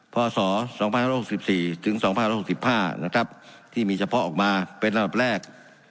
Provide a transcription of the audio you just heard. พศ๒๖๖๔๒๖๕ที่มีเฉพาะออกมาเป็นระดับแรก